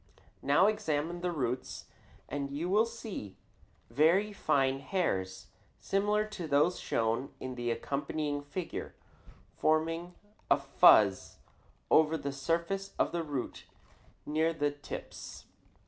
Now examine the roots and you will see very fine hairs, similar to those shown in the accompanying figure, forming a fuzz over the surface of the roots near the tips.